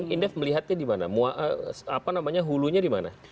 indef melihatnya di mana hulunya di mana